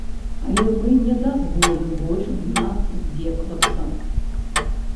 Але мы не дазволім больш з нас здзекавацца.